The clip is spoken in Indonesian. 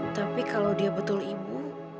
tapi kalau dia betul ibu